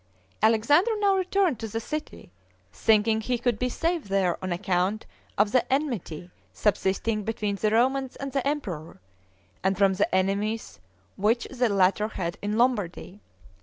Alexander now returned to the city, thinking he could be safe there on account of the enmity subsisting between the Romans and the emperor, and from the enemies which the latter had in Lombardy.